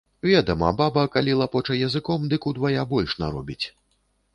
Ведама, баба, калі лапоча языком, дык удвая больш наробіць.